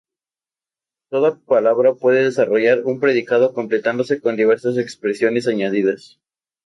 Toda palabra puede desarrollar un predicado completándose con diversas expresiones añadidas.